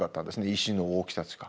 石の大きさしか。